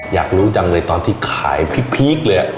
อยากรู้จังเลยตอนที่ขายพีคเลย